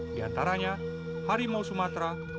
di antaranya harimau sumatera